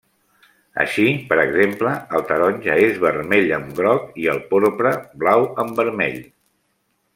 Així, per exemple, el taronja és vermell amb groc i el porpra blau amb vermell.